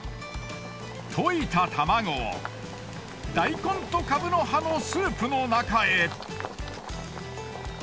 溶いた卵を大根とカブの葉のスープの中へ。